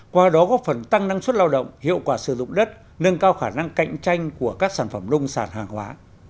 qua đó góp phần tăng năng suất lao động hiệu quả sử dụng đất nâng cao khả năng cạnh tranh của các sản phẩm nông sản hàng hóa